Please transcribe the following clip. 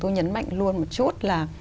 tôi nhấn mạnh luôn một chút là